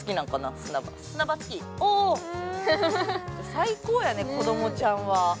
最高やね、子供ちゃんは。